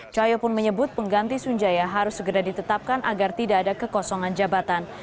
cahyo pun menyebut pengganti sunjaya harus segera ditetapkan agar tidak ada kekosongan jabatan